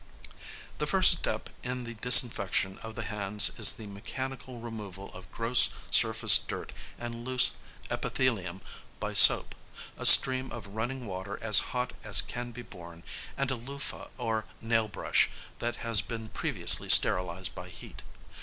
The first step in the disinfection of the hands is the mechanical removal of gross surface dirt and loose epithelium by soap, a stream of running water as hot as can be borne, and a loofah or nail brush, that has been previously sterilised by heat.